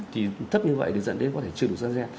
thì thấp như vậy thì dẫn đến có thể chưa đủ giao xe